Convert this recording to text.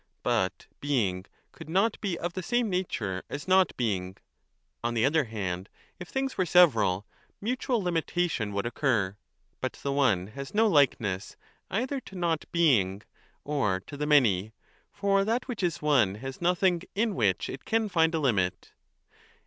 But 5 Being could not be of the same nature as Not being. On the other hand, if things were several, mutual limitation N 2 9 77 i> DE XENOPHANE would occur. But the One has no likeness either to Not being or to the Many ; for that which is one has nothing in which it can find a limit.